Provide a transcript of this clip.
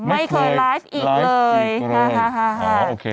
ไม่เคยไลฟ์อีกเลยไม่เคยไลฟ์อีกเลย